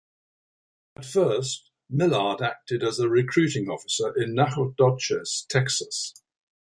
At first, Millard acted as a recruiting officer in Nacogdoches, Texas.